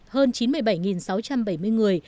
hơn chín mươi bảy sáu trăm bảy mươi người